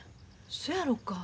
そやろか。